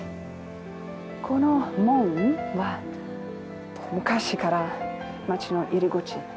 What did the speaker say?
この門は昔から町の入り口。